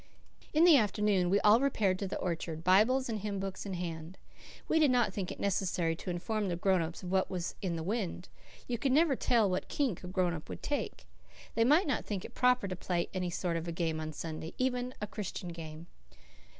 In the afternoon we all repaired to the orchard, Bibles and hymn books in hand. We did not think it necessary to inform the grown ups of what was in the wind. You could never tell what kink a grown up would take. They might not think it proper to play any sort of a game on Sunday, not even a Christian game.